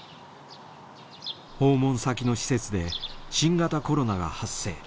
訪問先の施設で新型コロナが発生。